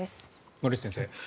森内先生。